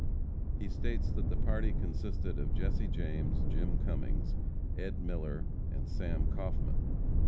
He states that the party consisted of Jesse James, Jim Cummings, Ed. Miller, and Sam Kaufman.